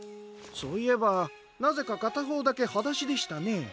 そういえばなぜかかたほうだけはだしでしたね。